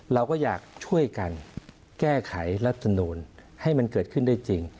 เราก็อยากช่วยกันแก้ไขรัฐมนูลให้มันเกิดขึ้นได้จริง